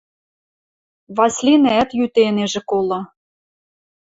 Васлинӓӓт йӱде ӹнежӹ колы.